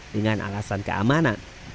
dengan alasan keamanan